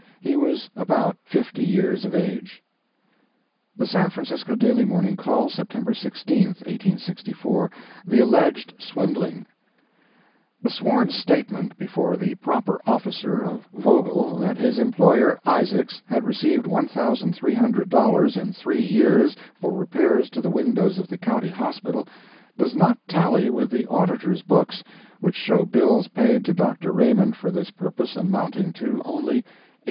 He was about fifty years of age. The San Francisco Daily Morning Call, September 16, 1864 THE ALLEGED SWINDLING The sworn statement, before the proper officer, of Vogel, that his employer, Isaacs, had received $1,300 in three years for repairs to the windows of the County Hospital, does not tally with the Auditor's books, which show bills paid to Dr. Raymond for this purpose amounting to only $80.87.